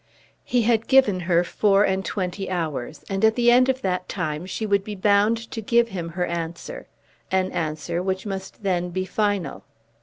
He had given her four and twenty hours, and at the end of that time she would be bound to give him her answer, an answer which must then be final.